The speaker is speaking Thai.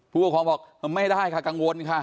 ผู้ปกครองบอกไม่ได้ค่ะกังวลค่ะ